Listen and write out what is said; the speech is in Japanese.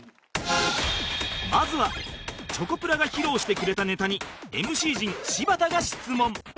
まずはチョコプラが披露してくれたネタに ＭＣ 陣柴田が質問